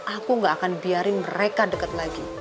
aku gak akan biarin mereka dekat lagi